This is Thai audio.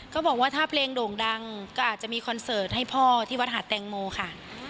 ก็บอกว่าถ้าเพลงโด่งดังก็อาจจะมีคอนเสิร์ตให้พ่อที่วัดหาดแตงโมค่ะ